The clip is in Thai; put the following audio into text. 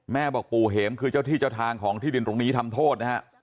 แม่บอกปู่เห็มคือเจ้าที่เจ้าทางของที่ดินตรงนี้ทำโทษนะฮะ